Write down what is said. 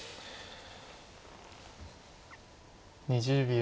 ２０秒。